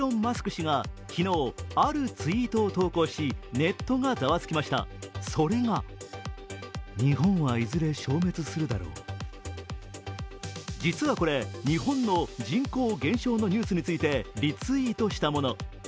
氏が昨日、あるツイートを投稿しネットがざわつきました、それが実はこれ日本の人口減少のニュースについて、リツイートしたもの